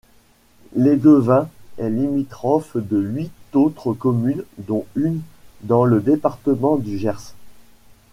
Léguevin est limitrophe de huit autres communes dont une dans le département du Gers.